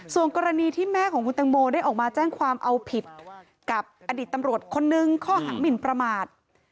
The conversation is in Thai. ส่วนกรณีที่แม่ของคุณตังโมได้ออกมาแจ้งความเอาผิดกับอดีตตำรวจคนนึงข้อหามินประมาท